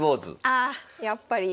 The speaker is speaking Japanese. ああやっぱり。